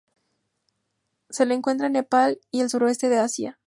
Se lo encuentra en Nepal, y el sureste de Asia.